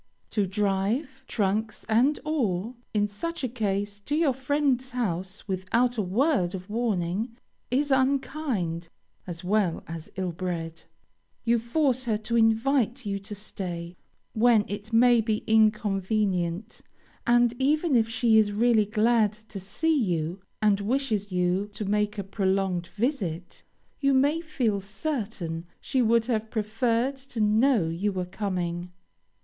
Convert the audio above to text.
To drive, trunks and all, in such a case, to your friend's house, without a word of warning, is unkind, as well as ill bred. You force her to invite you to stay, when it may be inconvenient, and, even if she is really glad to see you, and wishes you to make a prolonged visit, you may feel certain she would have preferred to know you were coming.